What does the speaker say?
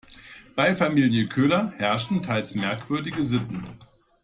Bei Familie Köhler herrschen teils merkwürdige Sitten.